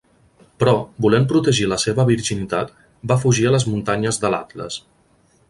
Però, volent protegir la seva virginitat, va fugir a les muntanyes de l'Atles.